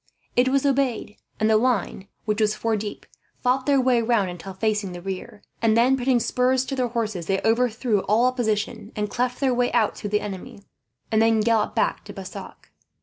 It was obeyed, and the line, which was four deep, fought their way round until facing the rear; and then, putting spurs to their horses, they overthrew all opposition and cleft their way out through the enemy, and then galloped back to Bassac.